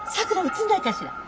映んないかしら？